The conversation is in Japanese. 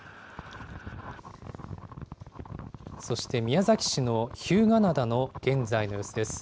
そして宮崎市の日向灘の現在の様子です。